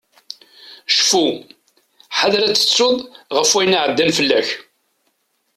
Cfu, ḥader ad tettuḍ ɣef wayen iɛeddan fell-ak.